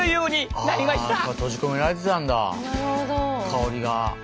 香りが。